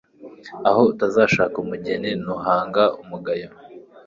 aho utazashaka umugeni ntuhanga umugayo